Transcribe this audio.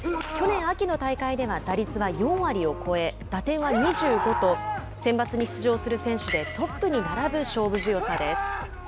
去年秋の大会では打率は４割を超え打点は２５とセンバツに出場する選手でトップに並ぶ勝負強さです。